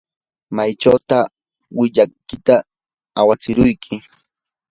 ¿maychawtaq llikllaykita awatsirquyki?